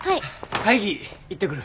会議行ってくる。